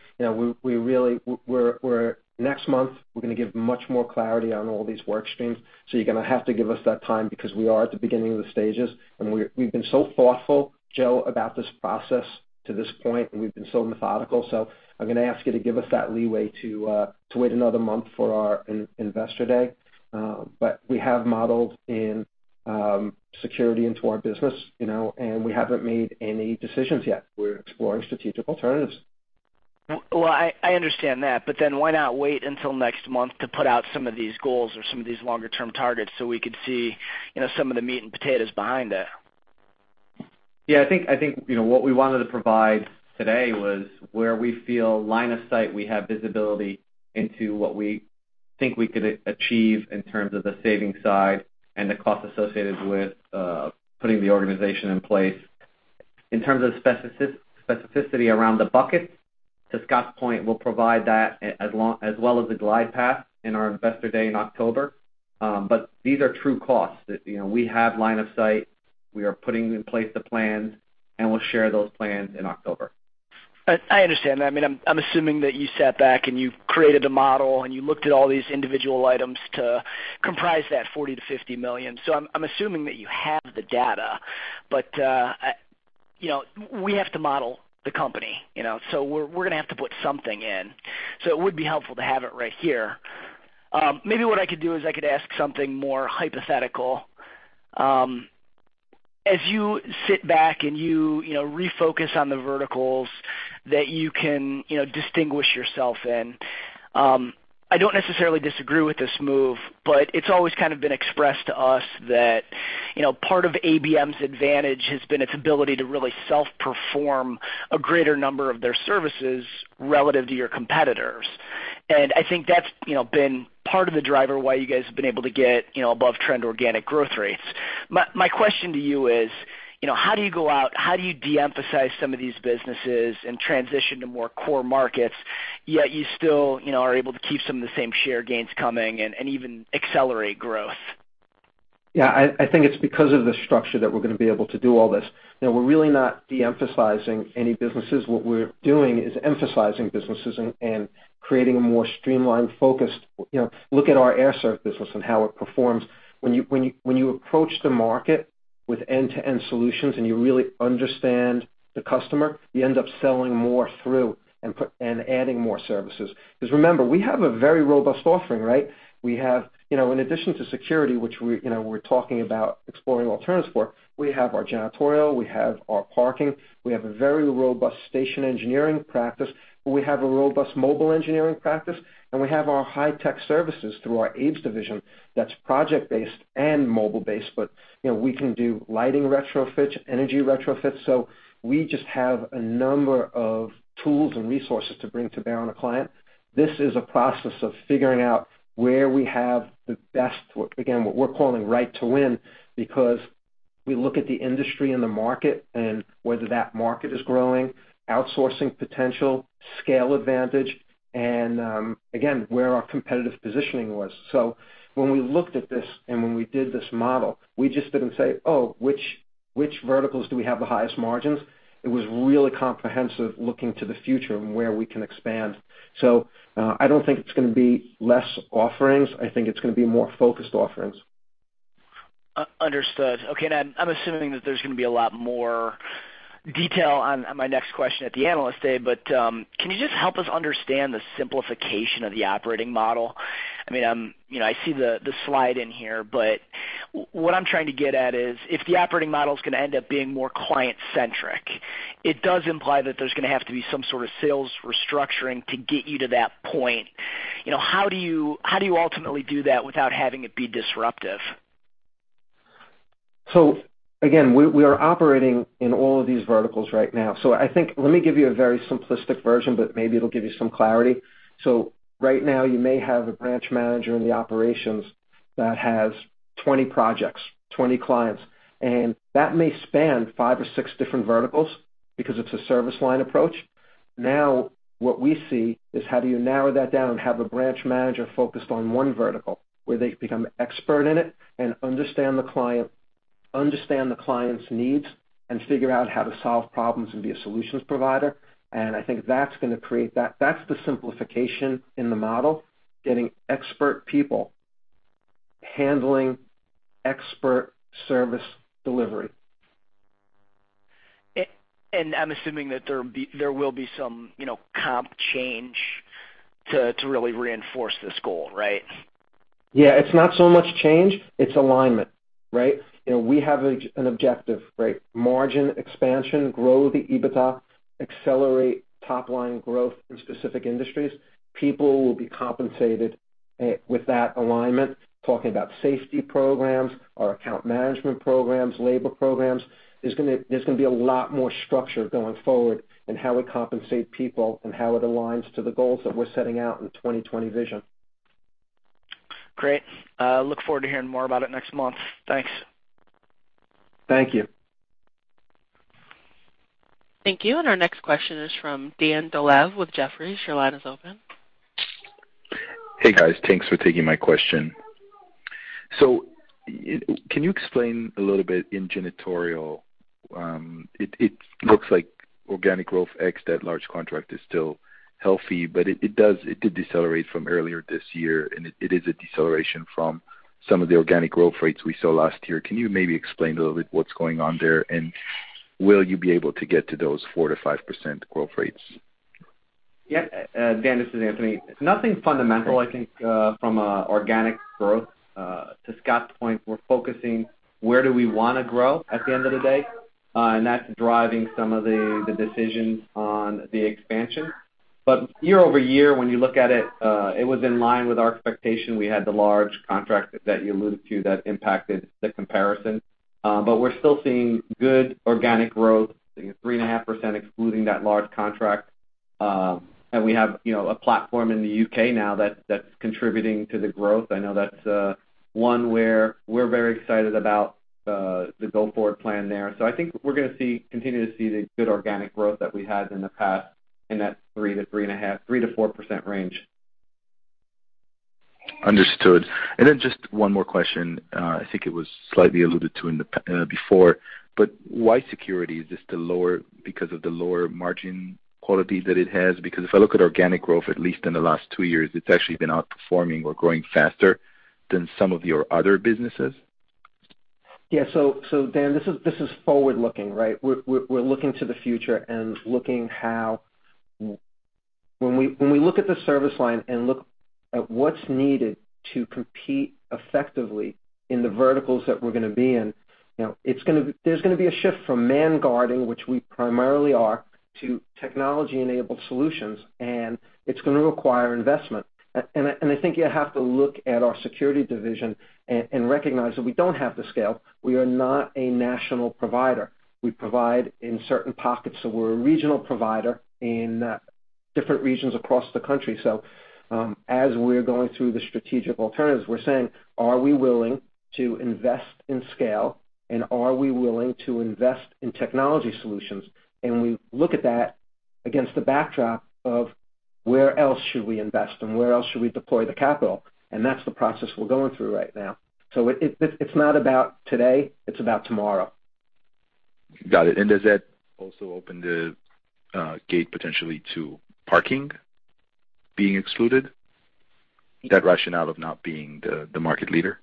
S3: next month, we're going to give much more clarity on all these work streams. You're going to have to give us that time because we are at the beginning of the stages, and we've been so thoughtful, Joe, about this process to this point, and we've been so methodical. I'm going to ask you to give us that leeway to wait another month for our investor day. We have modeled in security into our business, and we haven't made any decisions yet. We're exploring strategic alternatives.
S9: I understand that. Why not wait until next month to put out some of these goals or some of these longer-term targets so we could see some of the meat and potatoes behind it?
S4: I think what we wanted to provide today was where we feel line of sight, we have visibility into what we think we could achieve in terms of the saving side and the cost associated with putting the organization in place. In terms of specificity around the buckets, to Scott's point, we'll provide that as well as the glide path in our investor day in October. These are true costs. We have line of sight. We are putting in place the plans, and we'll share those plans in October.
S9: I understand that. I'm assuming that you sat back and you've created a model, and you looked at all these individual items to comprise that $40 million-$50 million. I'm assuming that you have the data. We have to model the company, so we're going to have to put something in. It would be helpful to have it right here. Maybe what I could do is I could ask something more hypothetical. As you sit back and you refocus on the verticals that you can distinguish yourself in, I don't necessarily disagree with this move, but it's always kind of been expressed to us that part of ABM's advantage has been its ability to really self-perform a greater number of their services relative to your competitors. I think that's been part of the driver why you guys have been able to get above-trend organic growth rates. My question to you is how do you go out, how do you de-emphasize some of these businesses and transition to more core markets, yet you still are able to keep some of the same share gains coming and even accelerate growth?
S3: I think it's because of the structure that we're going to be able to do all this. We're really not de-emphasizing any businesses. What we're doing is emphasizing businesses and creating a more streamlined focus. Look at our Air Serv business and how it performs. When you approach the market with end-to-end solutions and you really understand the customer, you end up selling more through and adding more services. Remember, we have a very robust offering, right? In addition to security, which we're talking about exploring alternatives for, we have our janitorial, we have our parking, we have a very robust station engineering practice, we have a robust mobile engineering practice, and we have our high-tech services through our ABES division that's project-based and mobile-based. We can do lighting retrofits, energy retrofits. We just have a number of tools and resources to bring to bear on a client. This is a process of figuring out where we have the best, again, what we're calling right to win, because we look at the industry and the market and whether that market is growing, outsourcing potential, scale advantage, and again, where our competitive positioning was. When we looked at this and when we did this model, we just didn't say, "Oh, which verticals do we have the highest margins?" It was really comprehensive looking to the future and where we can expand. I don't think it's going to be less offerings. I think it's going to be more focused offerings.
S9: Understood. Okay. I'm assuming that there's going to be a lot more detail on my next question at the Analyst Day. Can you just help us understand the simplification of the operating model? I see the slide in here, but what I'm trying to get at is, if the operating model is going to end up being more client-centric, it does imply that there's going to have to be some sort of sales restructuring to get you to that point. How do you ultimately do that without having it be disruptive?
S3: Again, we are operating in all of these verticals right now. I think, let me give you a very simplistic version, but maybe it'll give you some clarity. Right now, you may have a branch manager in the operations that has 20 projects, 20 clients, and that may span five or six different verticals because it's a service line approach. What we see is how do you narrow that down and have a branch manager focused on one vertical where they become expert in it and understand the client, understand the client's needs, and figure out how to solve problems and be a solutions provider. I think that's going to create that. That's the simplification in the model, getting expert people handling expert service delivery.
S9: I'm assuming that there will be some comp change to really reinforce this goal, right?
S3: Yeah. It's not so much change, it's alignment, right? We have an objective, right? Margin expansion, grow the EBITDA, accelerate top-line growth in specific industries. People will be compensated with that alignment. Talking about safety programs, our account management programs, labor programs. There's going to be a lot more structure going forward in how we compensate people and how it aligns to the goals that we're setting out in the 2020 Vision.
S9: Great. Look forward to hearing more about it next month. Thanks.
S3: Thank you.
S1: Thank you. Our next question is from Dan Dolev with Jefferies. Your line is open.
S10: Hey, guys. Thanks for taking my question. Can you explain a little bit in janitorial, it looks like organic growth ex that large contract is still healthy, but it did decelerate from earlier this year, and it is a deceleration from some of the organic growth rates we saw last year. Can you maybe explain a little bit what's going on there, and will you be able to get to those 4%-5% growth rates?
S4: Dan, this is Anthony. Nothing fundamental, I think, from organic growth. To Scott's point, we're focusing where do we want to grow at the end of the day, and that's driving some of the decisions on the expansion. Year-over-year, when you look at it was in line with our expectation. We had the large contract that you alluded to that impacted the comparison. We're still seeing good organic growth, 3.5% excluding that large contract. We have a platform in the U.K. now that's contributing to the growth. I know that's one where we're very excited about the go-forward plan there. I think we're going to continue to see the good organic growth that we had in the past in that 3%-4% range.
S10: Understood. Just one more question. I think it was slightly alluded to before, why security? Is this because of the lower margin quality that it has? If I look at organic growth, at least in the last two years, it's actually been outperforming or growing faster than some of your other businesses.
S3: Yeah. Dan, this is forward-looking, right? We're looking to the future when we look at the service line and look at what's needed to compete effectively in the verticals that we're going to be in, there's going to be a shift from man guarding, which we primarily are, to technology-enabled solutions, and it's going to require investment. I think you have to look at our security division and recognize that we don't have the scale. We are not a national provider. We provide in certain pockets. We're a regional provider in different regions across the country. As we're going through the strategic alternatives, we're saying, "Are we willing to invest in scale, and are we willing to invest in technology solutions?" We look at that against the backdrop of where else should we invest and where else should we deploy the capital? That's the process we're going through right now. It's not about today. It's about tomorrow.
S10: Got it. Does that also open the gate potentially to parking being excluded? That rationale of not being the market leader.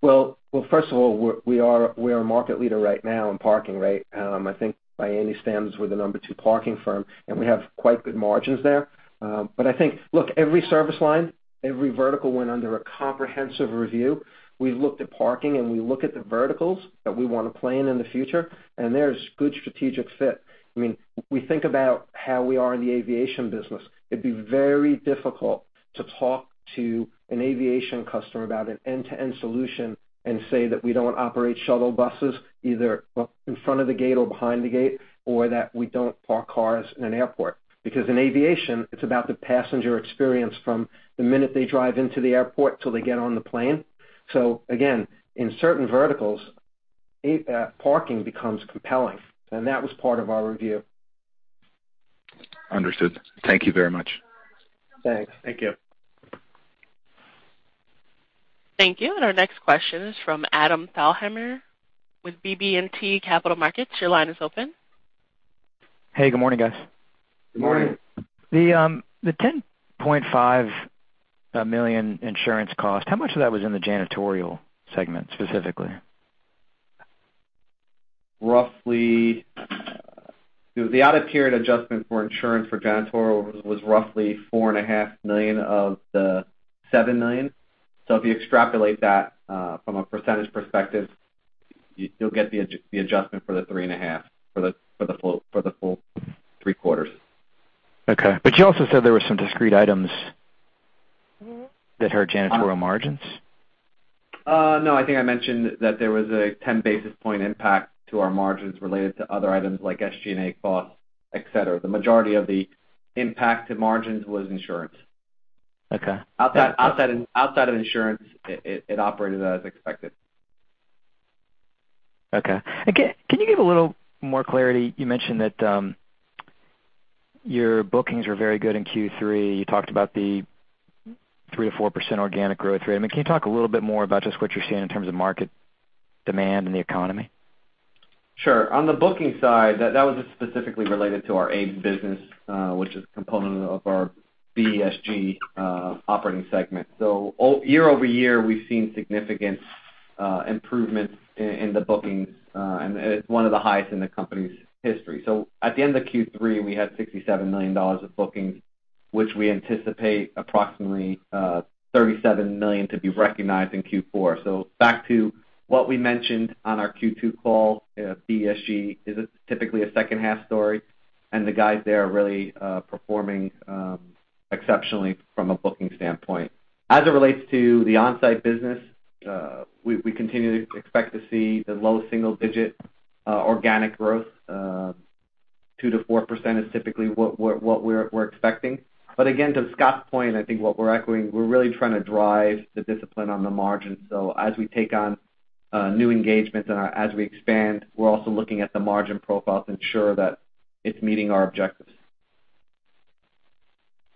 S3: Well, first of all, we are a market leader right now in parking, right? I think by any standards, we're the number 2 parking firm, and we have quite good margins there. I think, look, every service line, every vertical went under a comprehensive review. We looked at parking, and we look at the verticals that we want to play in in the future, and there's good strategic fit. We think about how we are in the aviation business. It'd be very difficult to talk to an aviation customer about an end-to-end solution and say that we don't operate shuttle buses either in front of the gate or behind the gate, or that we don't park cars in an airport. In aviation, it's about the passenger experience from the minute they drive into the airport till they get on the plane. Again, in certain verticals, parking becomes compelling. That was part of our review.
S10: Understood. Thank you very much.
S3: Thanks.
S4: Thank you.
S1: Our next question is from Adam Thalhimer with BB&T Capital Markets. Your line is open.
S11: Hey, good morning, guys.
S3: Good morning.
S4: Good morning.
S11: The $10.5 million insurance cost, how much of that was in the janitorial segment specifically?
S4: Roughly, the out of period adjustment for insurance for janitorial was roughly $4.5 million of the $7 million. If you extrapolate that from a percentage perspective, you'll get the adjustment for the $3.5 for the full three quarters.
S11: Okay. You also said there were some discrete items that hurt janitorial margins.
S4: No, I think I mentioned that there was a 10 basis point impact to our margins related to other items like SG&A costs, et cetera. The majority of the impact to margins was insurance.
S11: Okay.
S4: Outside of insurance, it operated as expected.
S11: Okay. Can you give a little more clarity? You mentioned that your bookings were very good in Q3. You talked about the 3%-4% organic growth rate. Can you talk a little bit more about just what you're seeing in terms of market demand and the economy?
S4: Sure. On the booking side, that was just specifically related to our ABM business, which is a component of our BESG operating segment. Year-over-year, we've seen significant improvements in the bookings, and it's one of the highest in the company's history. At the end of Q3, we had $67 million of bookings, which we anticipate approximately $37 million to be recognized in Q4. Back to what we mentioned on our Q2 call, BESG is typically a second-half story, and the guys there are really performing exceptionally from a booking standpoint. As it relates to the on-site business, we continue to expect to see the low single digit organic growth. 2%-4% is typically what we're expecting. Again, to Scott's point, I think what we're echoing, we're really trying to drive the discipline on the margin. As we take on new engagements and as we expand, we're also looking at the margin profile to ensure that it's meeting our objectives.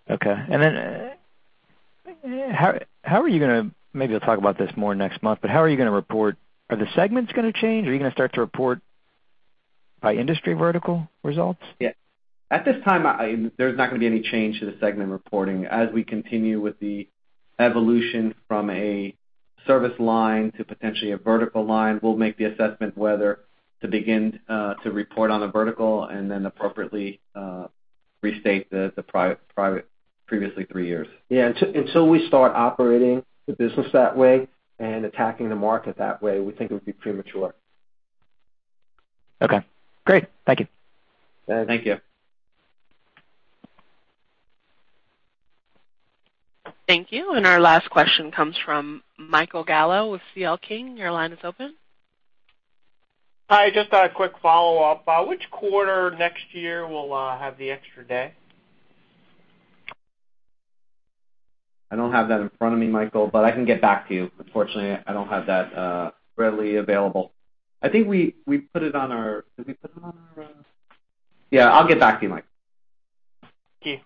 S11: Okay. Maybe you'll talk about this more next month, but how are you going to report? Are the segments going to change? Are you going to start to report by industry vertical results?
S4: Yeah. At this time, there's not going to be any change to the segment reporting. As we continue with the evolution from a service line to potentially a vertical line, we'll make the assessment whether to begin to report on the vertical and appropriately restate the private previously three years.
S3: Yeah. Until we start operating the business that way and attacking the market that way, we think it would be premature.
S11: Okay, great. Thank you.
S4: Thank you.
S1: Thank you. Our last question comes from Michael Gallo with C.L. King. Your line is open.
S8: Hi. Just a quick follow-up. Which quarter next year will have the extra day?
S4: I don't have that in front of me, Michael, but I can get back to you. Unfortunately, I don't have that readily available. Did we put it on our Yeah, I'll get back to you, Michael.
S8: Thank you.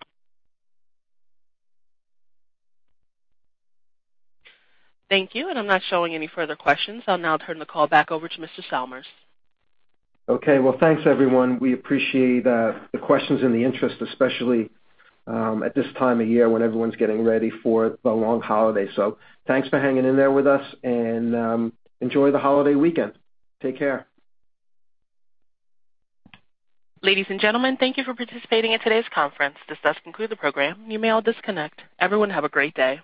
S1: Thank you. I'm not showing any further questions. I'll now turn the call back over to Scott Salmirs.
S3: Okay. Well, thanks, everyone. We appreciate the questions and the interest, especially at this time of year when everyone's getting ready for the long holiday. Thanks for hanging in there with us, and enjoy the holiday weekend. Take care.
S1: Ladies and gentlemen, thank you for participating in today's conference. This does conclude the program. You may all disconnect. Everyone have a great day.